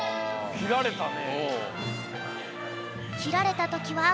きられたね。